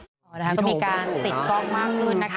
พี่โถ่พี่โถ่นะต้องมีการติดกล้องมากขึ้นนะคะ